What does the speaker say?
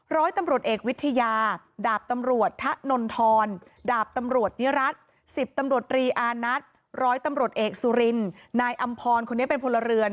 ร้อยตำรวจเอกวิทยาดาบตำรวจทะนนทรดาบตำรวจนิรัติ๑๐ตำรวจรีอานัทร้อยตำรวจเอกสุรินนายอำพรคนนี้เป็นพลเรือน